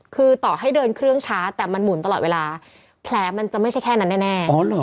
คือต่อให้เดินเครื่องช้าแต่มันหมุนตลอดเวลาแผลมันจะไม่ใช่แค่นั้นแน่